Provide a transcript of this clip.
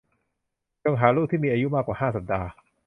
จงหารูปที่มีอายุมากกว่าห้าสัปดาห์